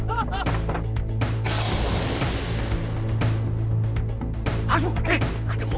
ibu ibu serahkan ibu